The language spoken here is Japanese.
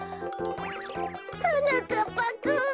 はなかっぱくん。